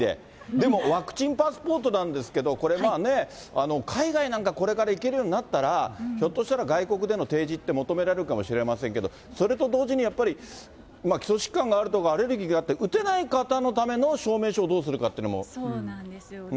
でもワクチンパスポートなんですけど、これ、海外なんか、これから行けるようになったら、ひょっとしたら外国での提示って求められるかもしれませんけれども、それと同時にやっぱり、基礎疾患があるとか、アレルギーがあって打てない方のための証明書をどうするかというそうなんですよね。